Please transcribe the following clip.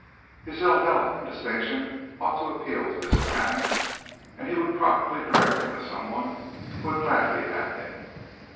His ill health and distinction ought to appeal to this man, and he would probably direct him to some one who would gladly have him.